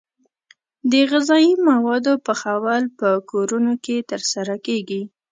د غذايي موادو پخول په کورونو کې ترسره کیږي.